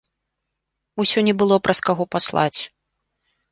Усё не было праз каго паслаць.